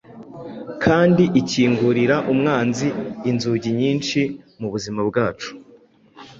kandi ikingurira umwanzi inzugi nyinshi mu buzima bwacu.